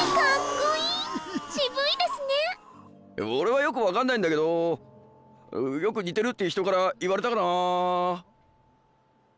俺はよく分かんないんだけどよく似てるって人からいわれたかな。